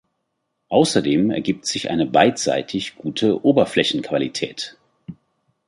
Außerdem ergibt sich eine beidseitig gute Oberflächenqualität.